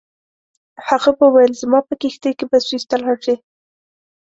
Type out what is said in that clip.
هغه وویل زما په کښتۍ کې به سویس ته لاړ شې.